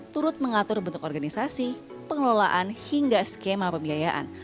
turut mengatur bentuk organisasi pengelolaan hingga skema pembiayaan